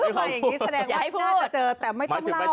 มาอย่างนี้แสดงว่าน่าจะเจอแต่ไม่ต้องเล่า